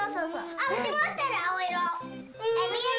・あうち持ってる青色。